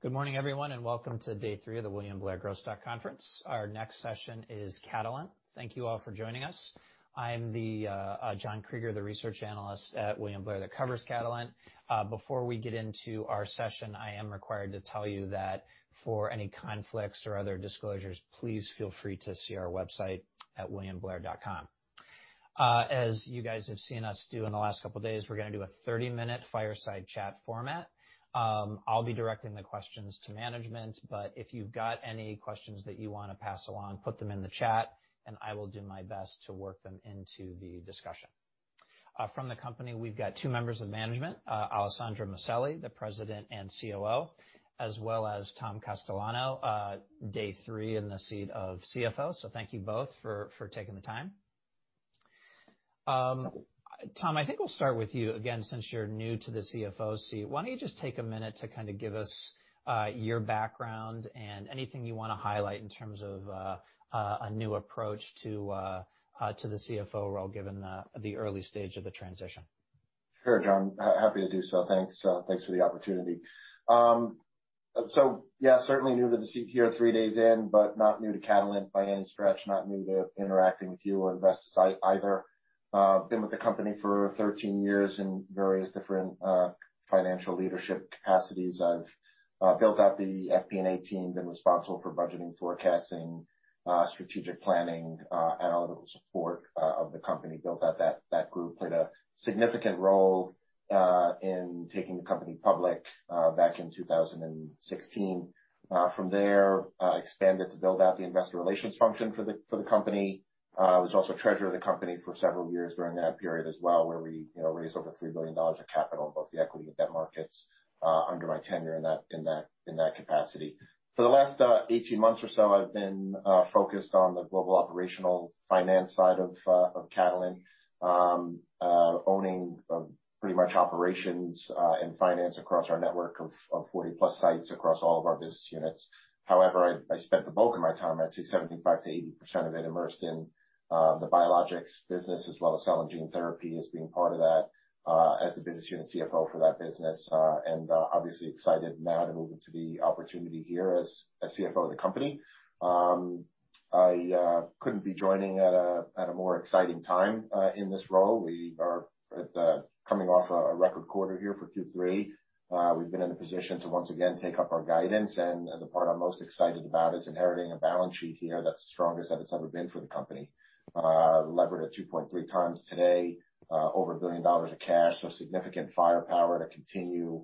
Good morning, everyone, and welcome to day three of the William Blair Gross Stock conference. Our next session is Catalent. Thank you all for joining us. I'm John Kreger, the Research Analyst at William Blair that covers Catalent. Before we get into our session, I am required to tell you that for any conflicts or other disclosures, please feel free to see our website at williamblair.com. As you guys have seen us do in the last couple of days, we're going to do a 30-minute fireside chat format. I'll be directing the questions to management, but if you've got any questions that you want to pass along, put them in the chat, and I will do my best to work them into the discussion. From the company, we've got two members of management: Alessandro Maselli, the President and COO, as well as Tom Castellano, day three in the seat of CFO. So thank you both for taking the time. Tom, I think we'll start with you. Again, since you're new to the CFO seat, why don't you just take a minute to kind of give us your background and anything you want to highlight in terms of a new approach to the CFO role, given the early stage of the transition? Sure, John. Happy to do so. Thanks for the opportunity. So yeah, certainly new to the seat here, three days in, but not new to Catalent by any stretch, not new to interacting with you or investors either. Been with the company for 13 years in various different financial leadership capacities. I've built out the FP&A team, been responsible for budgeting, forecasting, strategic planning, analytical support of the company. Built out that group, played a significant role in taking the company public back in 2016. From there, expanded to build out the investor relations function for the company. I was also treasurer of the company for several years during that period as well, where we raised over $3 billion of capital in both the equity and debt markets under my tenure in that capacity. For the last 18 months or so, I've been focused on the global operational finance side of Catalent, owning pretty much operations and finance across our network of 40+ sites across all of our business units. However, I spent the bulk of my time, I'd say 75%-80% of it, immersed in the biologics business, as well as cell and gene therapy as being part of that, as the business unit CFO for that business. Obviously excited now to move into the opportunity here as CFO of the company. I couldn't be joining at a more exciting time in this role. We are coming off a record quarter here for Q3. We've been in a position to once again take up our guidance. The part I'm most excited about is inheriting a balance sheet here that's the strongest that it's ever been for the company. Levered at 2.3 times today, over $1 billion of cash, so significant firepower to continue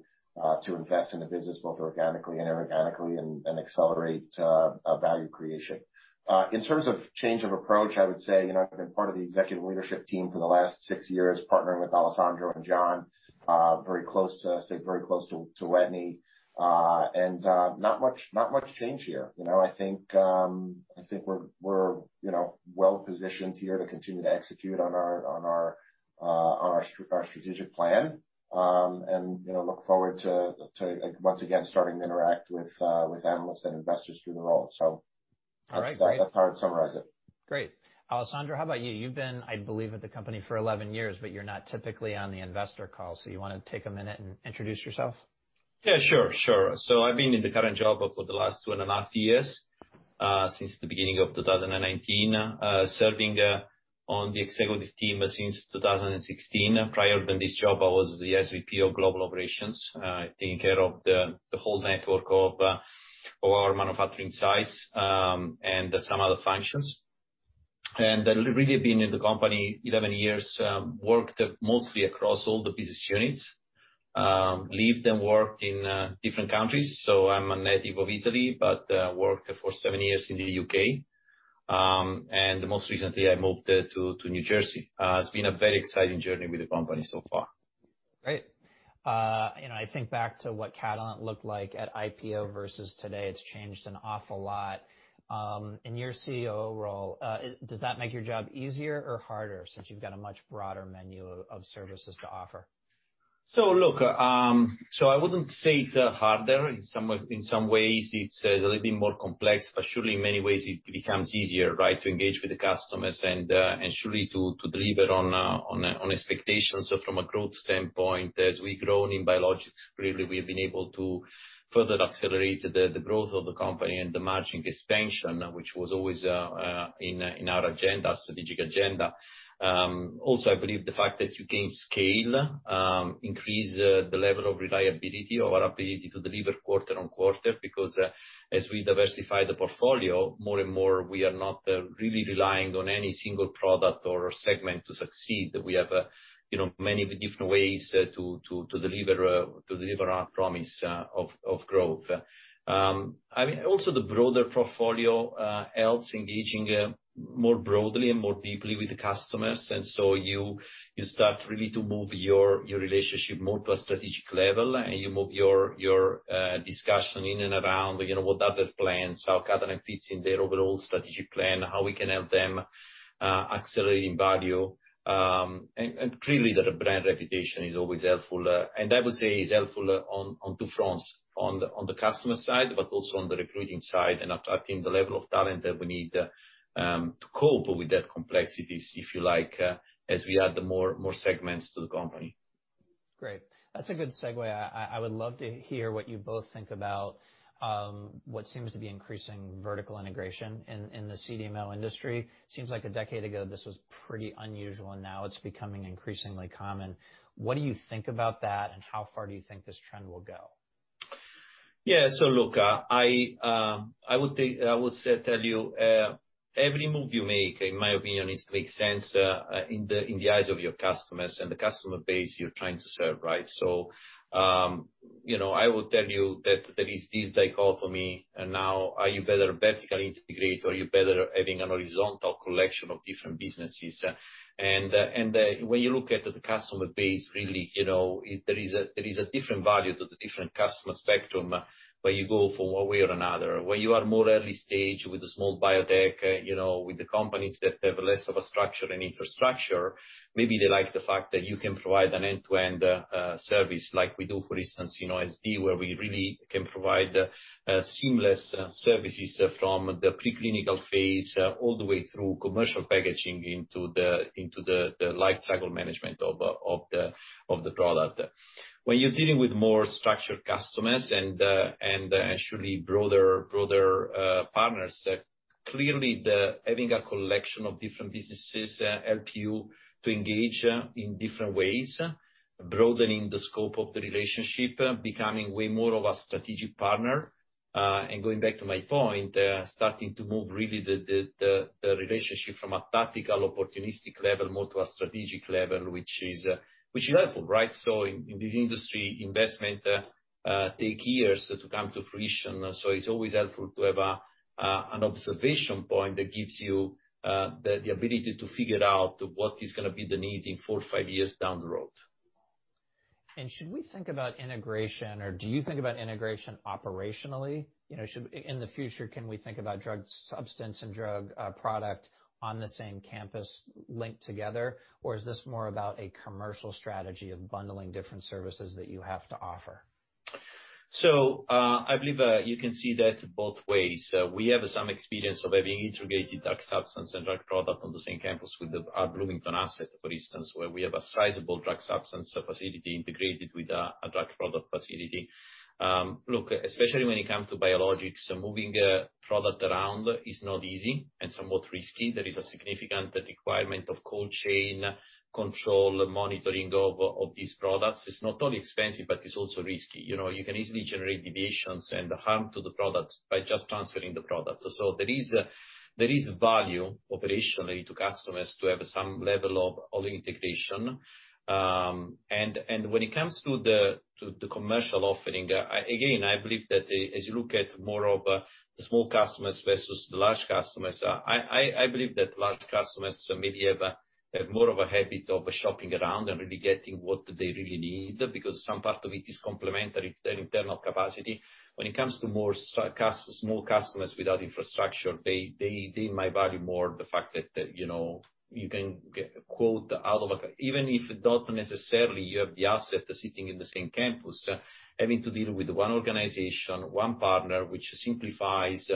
to invest in the business both organically and inorganically and accelerate value creation. In terms of change of approach, I would say I've been part of the executive leadership team for the last six years, partnering with Alessandro and John, very close to, I'd say very close to Wetteny. And not much change here. I think we're well-positioned here to continue to execute on our strategic plan and look forward to, once again, starting to interact with analysts and investors through the role. So that's how I'd summarize it. Great. Alessandro, how about you? You've been, I believe, at the company for 11 years, but you're not typically on the investor call. So you want to take a minute and introduce yourself? Yeah, sure. Sure. So I've been in the current job for the last two and a half years, since the beginning of 2019, serving on the executive team since 2016. Prior to this job, I was the SVP of global operations, taking care of the whole network of our manufacturing sites and some other functions. And really been in the company 11 years, worked mostly across all the business units. Lived and worked in different countries. So I'm a native of Italy, but worked for seven years in the U.K. And most recently, I moved to New Jersey. It's been a very exciting journey with the company so far. Great. I think back to what Catalent looked like at IPO versus today, it's changed an awful lot. In your COO role, does that make your job easier or harder since you've got a much broader menu of services to offer? So look, so I wouldn't say it's harder. In some ways, it's a little bit more complex, but surely in many ways, it becomes easier, right, to engage with the customers and surely to deliver on expectations. So from a growth standpoint, as we've grown in biologics, clearly we've been able to further accelerate the growth of the company and the margin expansion, which was always in our strategic agenda. Also, I believe the fact that you can scale, increase the level of reliability of our ability to deliver quarter on quarter, because as we diversify the portfolio, more and more we are not really relying on any single product or segment to succeed. We have many different ways to deliver our promise of growth. I mean, also the broader portfolio helps engaging more broadly and more deeply with the customers. And so you start really to move your relationship more to a strategic level, and you move your discussion in and around what other plans, how Catalent fits in their overall strategic plan, how we can help them accelerate in value. And clearly, that brand reputation is always helpful. And I would say it's helpful on two fronts, on the customer side, but also on the recruiting side. And I think the level of talent that we need to cope with that complexities, if you like, as we add more segments to the company. Great. That's a good segue. I would love to hear what you both think about what seems to be increasing vertical integration in the CDMO industry. Seems like a decade ago, this was pretty unusual. Now it's becoming increasingly common. What do you think about that, and how far do you think this trend will go? Yeah. So look, I would tell you every move you make, in my opinion, needs to make sense in the eyes of your customers and the customer base you're trying to serve, right? So I would tell you that there is this dichotomy now. Are you better vertically integrated, or are you better having a horizontal collection of different businesses? And when you look at the customer base, really, there is a different value to the different customer spectrum when you go from one way or another. When you are more early stage with a small biotech, with the companies that have less of a structure and infrastructure, maybe they like the fact that you can provide an end-to-end service like we do, for instance, in OSD, where we really can provide seamless services from the preclinical phase all the way through commercial packaging into the lifecycle management of the product. When you're dealing with more structured customers and surely broader partners, clearly having a collection of different businesses helps you to engage in different ways, broadening the scope of the relationship, becoming way more of a strategic partner, and going back to my point, starting to move really the relationship from a tactical opportunistic level more to a strategic level, which is helpful, right, so in this industry, investment takes years to come to fruition. So it's always helpful to have an observation point that gives you the ability to figure out what is going to be the need in four, five years down the road. Should we think about integration, or do you think about integration operationally? In the future, can we think about drug substance and drug product on the same campus linked together, or is this more about a commercial strategy of bundling different services that you have to offer? So I believe you can see that both ways. We have some experience of having integrated drug substance and drug product on the same campus with our Bloomington asset, for instance, where we have a sizable drug substance facility integrated with a drug product facility. Look, especially when it comes to biologics, moving product around is not easy and somewhat risky. There is a significant requirement of cold chain control monitoring of these products. It's not only expensive, but it's also risky. You can easily generate deviations and harm to the product by just transferring the product. So there is value operationally to customers to have some level of integration. When it comes to the commercial offering, again, I believe that as you look at more of the small customers versus the large customers, I believe that large customers maybe have more of a habit of shopping around and really getting what they really need because some part of it is complementary to their internal capacity. When it comes to more small customers without infrastructure, they might value more the fact that you can quote out of a, even if not necessarily you have the asset sitting in the same campus, having to deal with one organization, one partner, which simplifies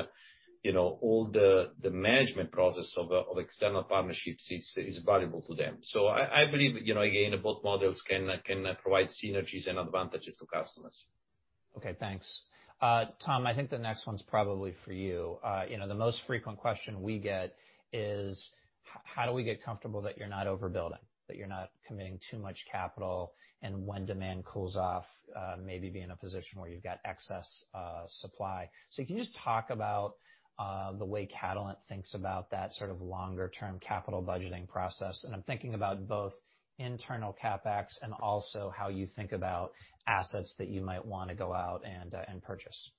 all the management process of external partnerships, is valuable to them. I believe, again, both models can provide synergies and advantages to customers. Okay, thanks. Tom, I think the next one's probably for you. The most frequent question we get is, how do we get comfortable that you're not overbuilding, that you're not committing too much capital, and when demand cools off, maybe be in a position where you've got excess supply? So can you just talk about the way Catalent thinks about that sort of longer-term capital budgeting process? And I'm thinking about both internal CapEx and also how you think about assets that you might want to go out and purchase.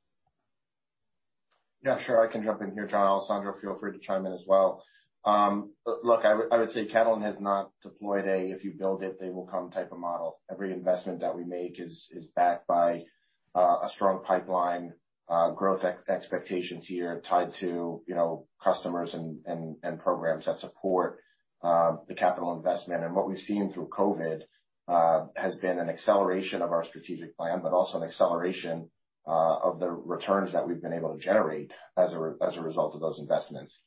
Yeah, sure. I can jump in here, John. Alessandro, feel free to chime in as well. Look, I would say Catalent has not deployed a, "If you build it, they will come" type of model. Every investment that we make is backed by a strong pipeline, growth expectations here tied to customers and programs that support the capital investment. And what we've seen through COVID has been an acceleration of our strategic plan, but also an acceleration of the returns that we've been able to generate as a result of those investments.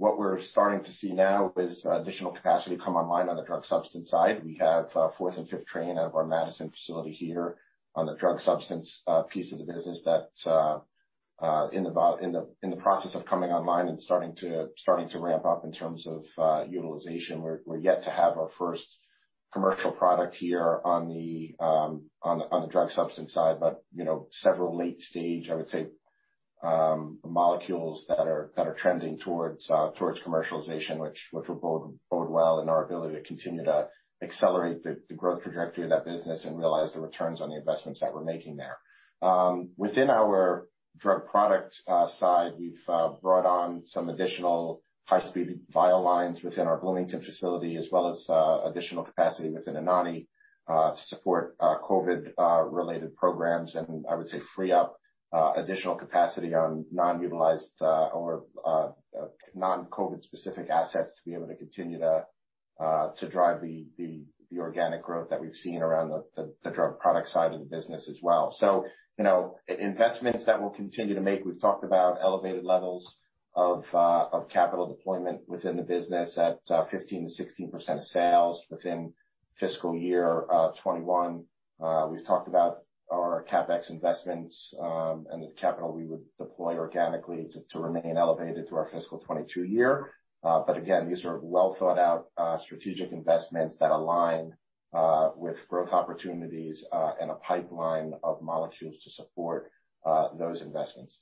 What we're starting to see now is additional capacity come online on the drug substance side. We have fourth and fifth train out of our Madison facility here on the drug substance piece of the business that's in the process of coming online and starting to ramp up in terms of utilization. We're yet to have our first commercial product here on the drug substance side, but several late-stage, I would say, molecules that are trending towards commercialization, which will bode well in our ability to continue to accelerate the growth trajectory of that business and realize the returns on the investments that we're making there. Within our drug product side, we've brought on some additional high-speed vial lines within our Bloomington facility, as well as additional capacity within Anagni to support COVID-related programs, and I would say free up additional capacity on non-utilized or non-COVID-specific assets to be able to continue to drive the organic growth that we've seen around the drug product side of the business as well, so investments that we'll continue to make, we've talked about elevated levels of capital deployment within the business at 15%-16% of sales within fiscal year 2021. We've talked about our CapEx investments and the capital we would deploy organically to remain elevated through our fiscal 2022 year. But again, these are well-thought-out strategic investments that align with growth opportunities and a pipeline of molecules to support those investments.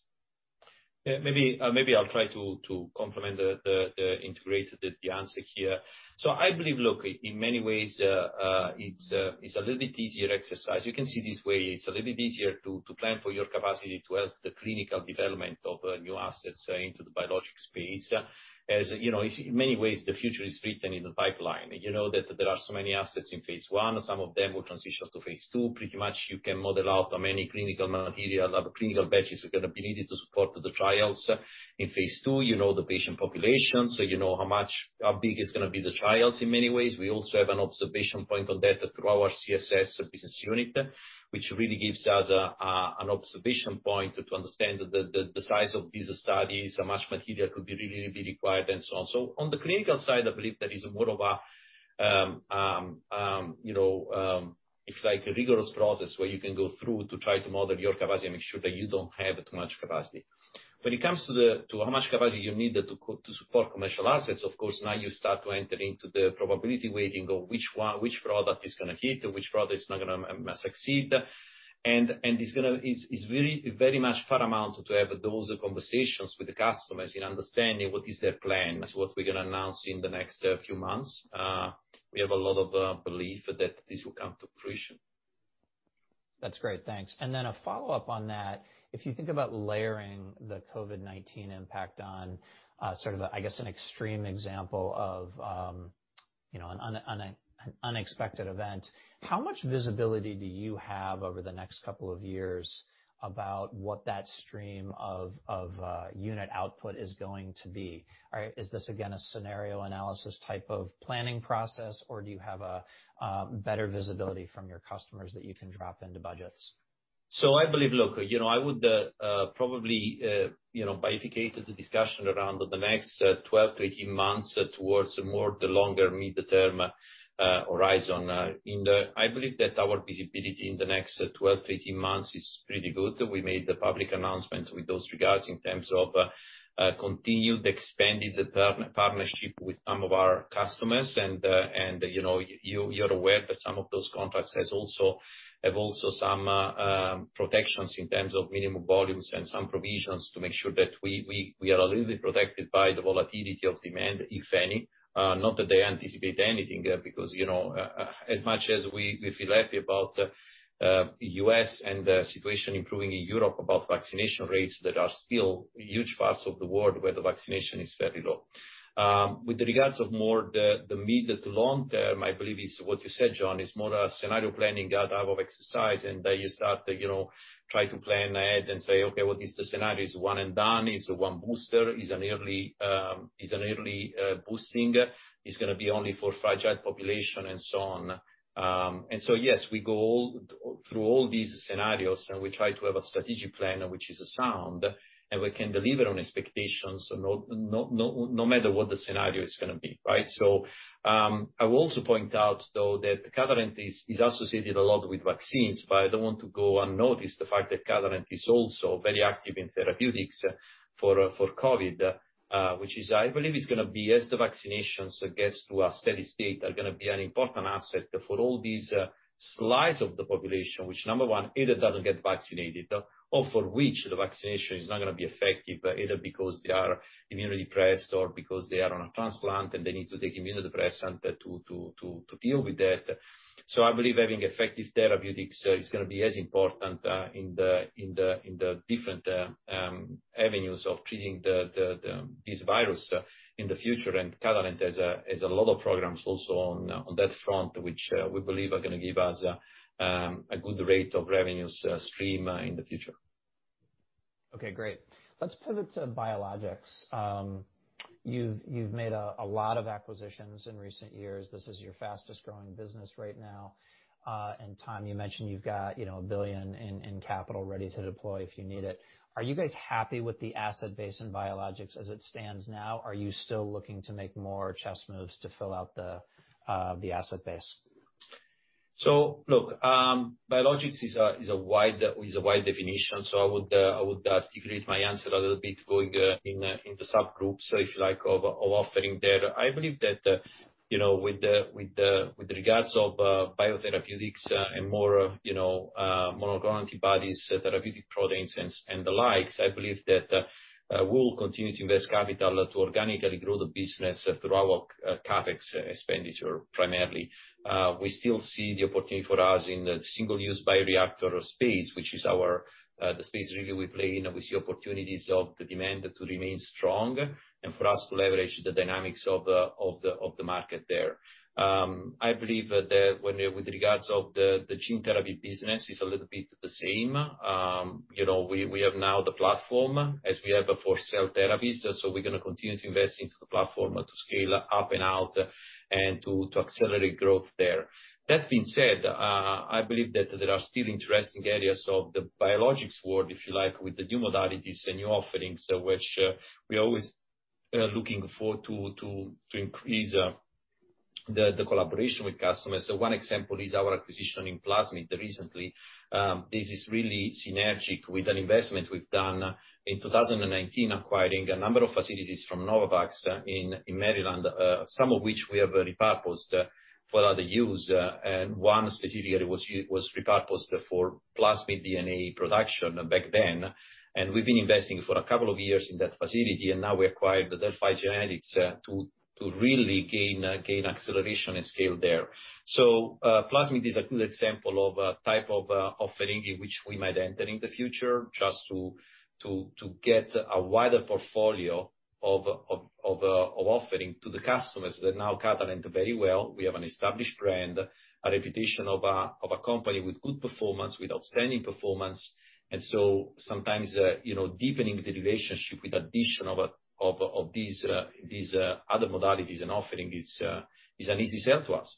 Maybe I'll try to complement the integrated answer here. So I believe, look, in many ways, it's a little bit easier exercise. You can see this way. It's a little bit easier to plan for your capacity to help the clinical development of new assets into the biologics space. As in many ways, the future is written in the pipeline. You know that there are so many assets in phase one. Some of them will transition to phase two. Pretty much, you can model out how many clinical material, clinical batches are going to be needed to support the trials in phase two. You know the patient populations. You know how big is going to be the trials in many ways. We also have an observation point on that through our CSS business unit, which really gives us an observation point to understand the size of these studies, how much material could be really required, and so on, so on the clinical side, I believe there is more of a, if you like, rigorous process where you can go through to try to model your capacity and make sure that you don't have too much capacity. When it comes to how much capacity you need to support commercial assets, of course, now you start to enter into the probability weighting of which product is going to hit and which product is not going to succeed, and it's very much paramount to have those conversations with the customers in understanding what is their plan. What we're going to announce in the next few months. We have a lot of belief that this will come to fruition. That's great. Thanks. And then a follow-up on that, if you think about layering the COVID-19 impact on sort of, I guess, an extreme example of an unexpected event, how much visibility do you have over the next couple of years about what that stream of unit output is going to be? Is this again a scenario analysis type of planning process, or do you have better visibility from your customers that you can drop into budgets? I believe, look, I would probably bifurcate the discussion around the next 12-18 months towards more the longer-mid-term horizon. I believe that our visibility in the next 12-18 months is pretty good. We made the public announcements with those regards in terms of continued expanded partnership with some of our customers. And you're aware that some of those contracts have also some protections in terms of minimum volumes and some provisions to make sure that we are a little bit protected by the volatility of demand, if any. Not that they anticipate anything, because as much as we feel happy about the U.S. and the situation improving in Europe about vaccination rates that are still huge parts of the world where the vaccination is fairly low. With regard to the mid- to long-term, I believe is what you said, John, is more a scenario planning type of exercise. And then you start to try to plan ahead and say, "Okay, what is the scenario? Is it one and done? Is it one booster? Is it an early boosting? Is it going to be only for fragile population?" And so on. And so, yes, we go through all these scenarios, and we try to have a strategic plan, which is sound, and we can deliver on expectations no matter what the scenario is going to be, right? I will also point out, though, that Catalent is associated a lot with vaccines, but I don't want the fact to go unnoticed that Catalent is also very active in therapeutics for COVID, which I believe are going to be, as the vaccinations get to a steady state, an important asset for all these slices of the population, which, number one, either doesn't get vaccinated or for which the vaccination is not going to be effective, either because they are immunosuppressed or because they are on a transplant and they need to take immunosuppressant to deal with that. I believe having effective therapeutics is going to be as important in the different avenues of treating this virus in the future. Catalent has a lot of programs also on that front, which we believe are going to give us a good rate of revenues stream in the future. Okay, great. Let's pivot to biologics. You've made a lot of acquisitions in recent years. This is your fastest-growing business right now. And Tom, you mentioned you've got $1 billion in capital ready to deploy if you need it. Are you guys happy with the asset base in biologics as it stands now? Are you still looking to make more chess moves to fill out the asset base? So look, biologics is a wide definition. So I would articulate my answer a little bit going in the subgroups, if you like, of offering there. I believe that with regards of biotherapeutics and more monoclonal antibodies, therapeutic proteins, and the likes, I believe that we will continue to invest capital to organically grow the business through our CapEx expenditure primarily. We still see the opportunity for us in the single-use bioreactor space, which is the space really we play in with the opportunities of the demand to remain strong and for us to leverage the dynamics of the market there. I believe that with regards to the gene therapy business, it's a little bit the same. We have now the platform as we have for cell therapies. So we're going to continue to invest into the platform to scale up and out and to accelerate growth there. That being said, I believe that there are still interesting areas of the biologics world, if you like, with the new modalities and new offerings, which we're always looking forward to increase the collaboration with customers. So one example is our acquisition in plasmid recently. This is really synergistic with an investment we've done in 2019, acquiring a number of facilities from Novavax in Maryland, some of which we have repurposed for other use. And one specifically was repurposed for plasmid DNA production back then. And we've been investing for a couple of years in that facility, and now we acquired Delphi Genetics to really gain acceleration and scale there. So plasmid is a good example of a type of offering in which we might enter in the future just to get a wider portfolio of offering to the customers that now Catalent very well. We have an established brand, a reputation of a company with good performance, with outstanding performance. And so sometimes deepening the relationship with addition of these other modalities and offering is an easy sale to us.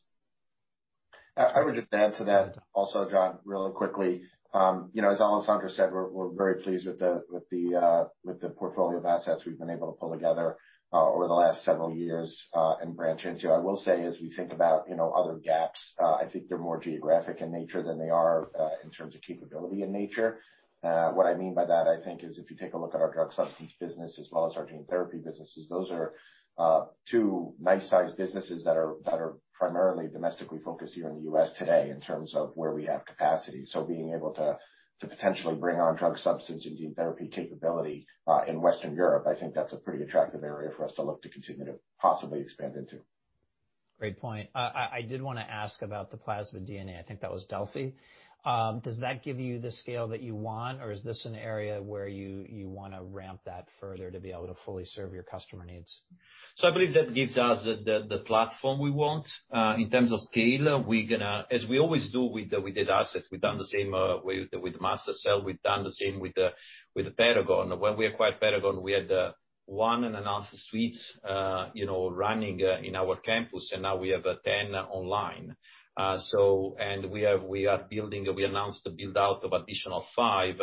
I would just add to that also, John, really quickly. As Alessandro said, we're very pleased with the portfolio of assets we've been able to pull together over the last several years and branch into. I will say, as we think about other gaps, I think they're more geographic in nature than they are in terms of capability in nature. What I mean by that, I think, is if you take a look at our drug substance business as well as our gene therapy businesses, those are two nice-sized businesses that are primarily domestically focused here in the U.S. today in terms of where we have capacity. So being able to potentially bring on drug substance and gene therapy capability in Western Europe, I think that's a pretty attractive area for us to look to continue to possibly expand into. Great point. I did want to ask about the plasmid DNA. I think that was Delphi. Does that give you the scale that you want, or is this an area where you want to ramp that further to be able to fully serve your customer needs? So I believe that gives us the platform we want. In terms of scale, we're going to, as we always do with these assets, we've done the same with MaSTherCell. We've done the same with the Paragon. When we acquired Paragon, we had one and a half suites running in our campus, and now we have 10 online, and we are building. We announced a build-out of additional five,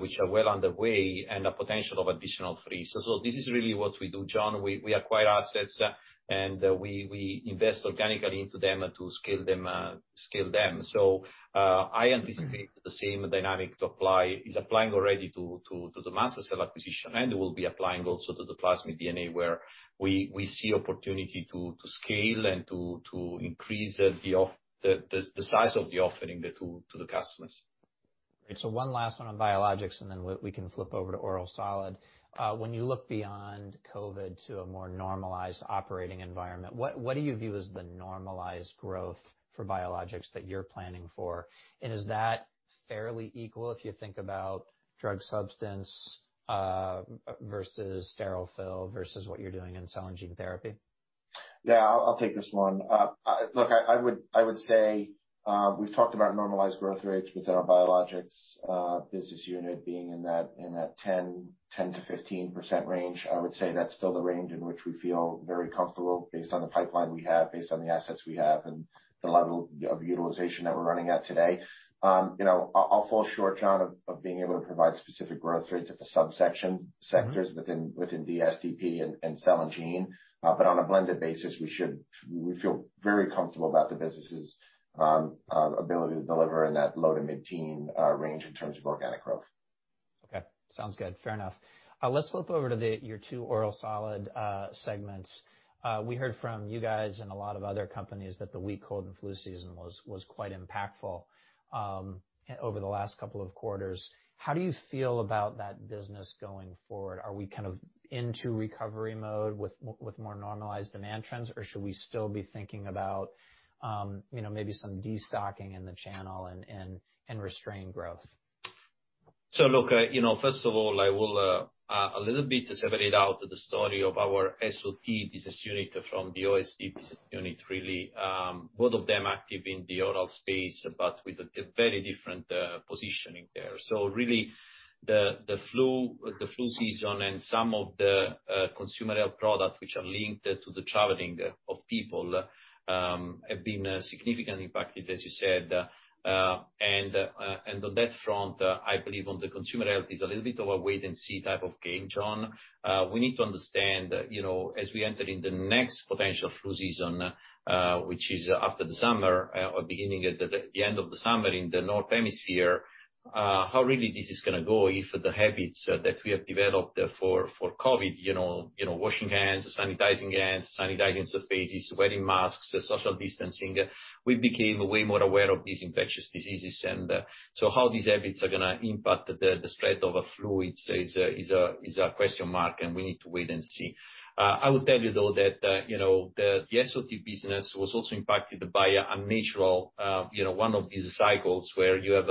which are well underway, and a potential of additional three. So this is really what we do, John. We acquire assets, and we invest organically into them to scale them, so I anticipate the same dynamic is applying already to the MaSTherCell acquisition, and we'll be applying also to the plasmid DNA where we see opportunity to scale and to increase the size of the offering to the customers. Great. So one last one on biologics, and then we can flip over to Oral Solid. When you look beyond COVID to a more normalized operating environment, what do you view as the normalized growth for biologics that you're planning for? And is that fairly equal if you think about drug substance versus sterile fill versus what you're doing in cell and gene therapy? Yeah, I'll take this one. Look, I would say we've talked about normalized growth rates within our biologics business unit being in that 10%-15% range. I would say that's still the range in which we feel very comfortable based on the pipeline we have, based on the assets we have, and the level of utilization that we're running at today. I'll fall short, John, of being able to provide specific growth rates at the subsection sectors within DS/DP and cell and gene. But on a blended basis, we feel very comfortable about the business's ability to deliver in that low to mid-teen range in terms of organic growth. Okay. Sounds good. Fair enough. Let's flip over to your two oral solid segments. We heard from you guys and a lot of other companies that the cold and flu season was quite impactful over the last couple of quarters. How do you feel about that business going forward? Are we kind of into recovery mode with more normalized demand trends, or should we still be thinking about maybe some destocking in the channel and restrained growth? So look, first of all, I will a little bit separate out the story of our SOT business unit from the OSD business unit, really. Both of them active in the oral space, but with a very different positioning there. So really, the flu season and some of the consumer health products, which are linked to the traveling of people, have been significantly impacted, as you said. And on that front, I believe on the consumer health, it's a little bit of a wait-and-see type of game, John. We need to understand, as we enter in the next potential flu season, which is after the summer or beginning at the end of the summer in the Northern Hemisphere, how really this is going to go if the habits that we have developed for COVID, washing hands, sanitizing hands, sanitizing surfaces, wearing masks, social distancing, we became way more aware of these infectious diseases, and so how these habits are going to impact the spread of flu is a question mark, and we need to wait and see. I will tell you, though, that the SOT business was also impacted by a natural one of these cycles where you have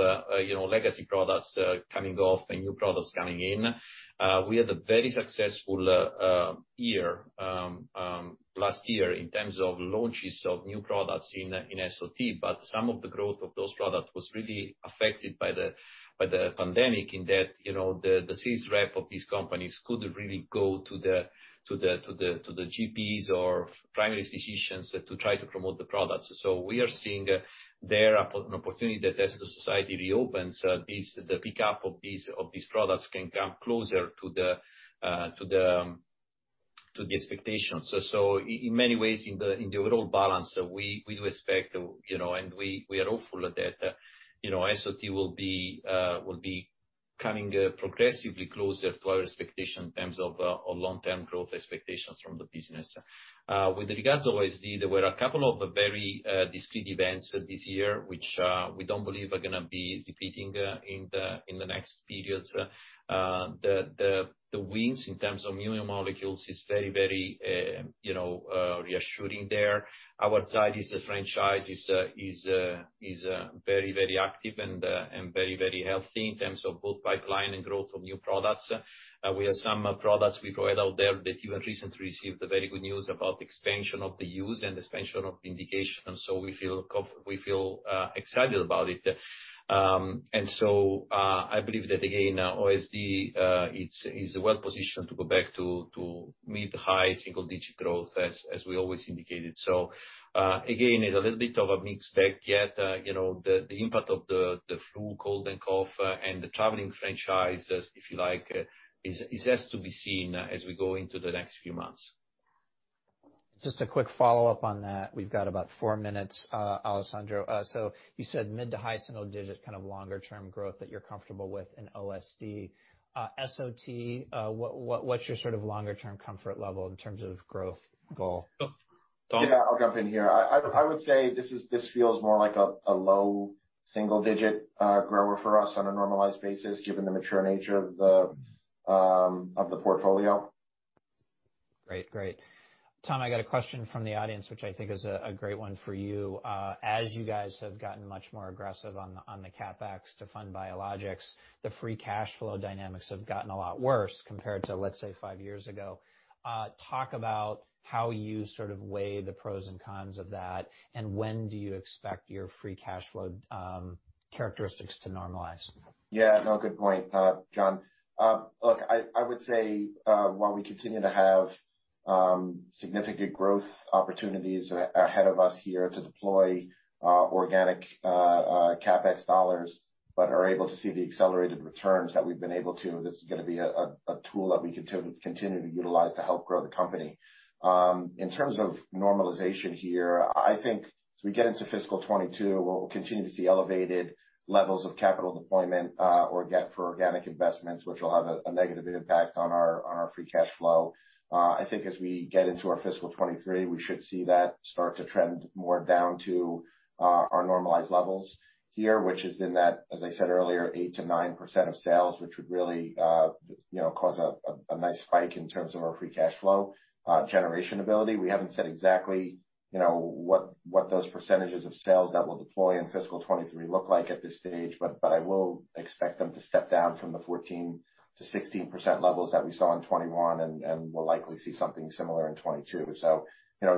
legacy products coming off and new products coming in. We had a very successful year last year in terms of launches of new products in SOT, but some of the growth of those products was really affected by the pandemic in that the sales rep of these companies couldn't really go to the GPs or primary physicians to try to promote the products. So we are seeing there an opportunity that as the society reopens, the pickup of these products can come closer to the expectations. So in many ways, in the overall balance, we do expect and we are hopeful that SOT will be coming progressively closer to our expectations in terms of long-term growth expectations from the business. With regards to OSD, there were a couple of very discrete events this year, which we don't believe are going to be repeating in the next periods. The wins in terms of immuno molecules is very, very reassuring there. Our Zydis franchise is very, very active and very, very healthy in terms of both pipeline and growth of new products. We have some products we've read out there that even recently received very good news about expansion of the use and expansion of the indication. So we feel excited about it, and so I believe that, again, OSD is well positioned to go back to mid-high single-digit growth, as we always indicated, so again, it's a little bit of a mixed bag, yet the impact of the flu, cold, and cough, and the traveling franchise, if you like, is as to be seen as we go into the next few months. Just a quick follow-up on that. We've got about four minutes, Alessandro. So you said mid- to high single-digit, kind of longer-term growth that you're comfortable with in OSD. SOT, what's your sort of longer-term comfort level in terms of growth goal? Yeah, I'll jump in here. I would say this feels more like a low single-digit grower for us on a normalized basis, given the mature nature of the portfolio. Great, great. Tom, I got a question from the audience, which I think is a great one for you. As you guys have gotten much more aggressive on the CapEx to fund biologics, the free cash flow dynamics have gotten a lot worse compared to, let's say, five years ago. Talk about how you sort of weigh the pros and cons of that, and when do you expect your free cash flow characteristics to normalize? Yeah, no, good point, John. Look, I would say while we continue to have significant growth opportunities ahead of us here to deploy organic CapEx dollars, but are able to see the accelerated returns that we've been able to, this is going to be a tool that we continue to utilize to help grow the company. In terms of normalization here, I think as we get into fiscal 2022, we'll continue to see elevated levels of capital deployment organic CapEx for organic investments, which will have a negative impact on our free cash flow. I think as we get into our fiscal 2023, we should see that start to trend more down to our normalized levels here, which is in that, as I said earlier, 8%-9% of sales, which would really cause a nice spike in terms of our free cash flow generation ability. We haven't said exactly what those percentages of sales that will deploy in fiscal 2023 look like at this stage, but I will expect them to step down from the 14%-16% levels that we saw in 2021, and we'll likely see something similar in 2022. So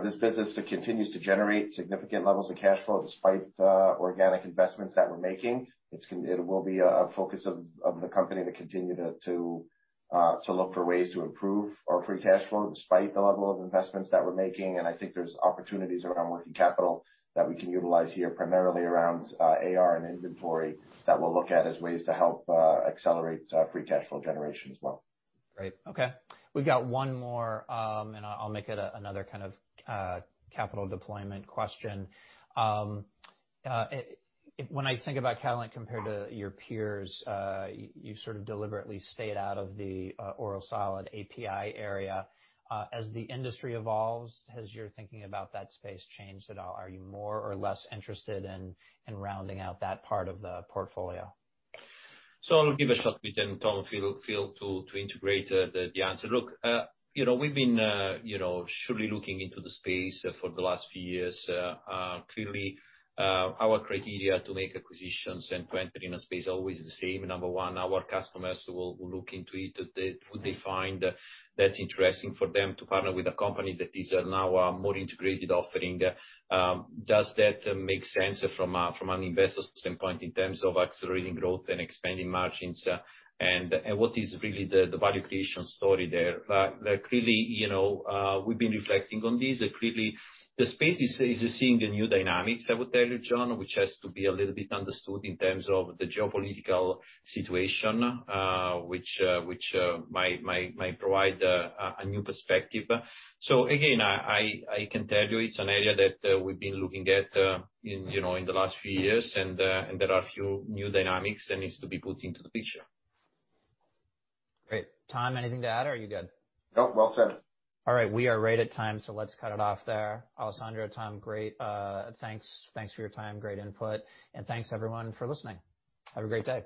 this business continues to generate significant levels of cash flow despite organic investments that we're making. It will be a focus of the company to continue to look for ways to improve our free cash flow despite the level of investments that we're making. And I think there's opportunities around working capital that we can utilize here, primarily around AR and inventory that we'll look at as ways to help accelerate free cash flow generation as well. Great. Okay. We've got one more, and I'll make it another kind of capital deployment question. When I think about Catalent compared to your peers, you sort of deliberately stayed out of the oral solid API area. As the industry evolves, has your thinking about that space changed at all? Are you more or less interested in rounding out that part of the portfolio? I'll give a shot with Tom Castellano to integrate the answer. Look, we've been surely looking into the space for the last few years. Clearly, our criteria to make acquisitions and to enter in a space are always the same. Number one, our customers will look into it. Would they find that interesting for them to partner with a company that is now a more integrated offering? Does that make sense from an investor standpoint in terms of accelerating growth and expanding margins? And what is really the value creation story there? Clearly, we've been reflecting on this. Clearly, the space is seeing a new dynamics, I would tell you, John, which has to be a little bit understood in terms of the geopolitical situation, which might provide a new perspective. So again, I can tell you it's an area that we've been looking at in the last few years, and there are a few new dynamics that need to be put into the picture. Great. Tom, anything to add, or are you good? No, well said. All right. We are right at time, so let's cut it off there. Alessandro, Tom, great. Thanks for your time. Great input. And thanks, everyone, for listening. Have a great day.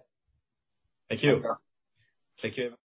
Thank you. Take care.